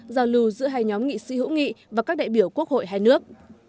giao lưu giữa hai nhóm nghị sĩ hữu nghị và các đại biểu quốc hội hai nước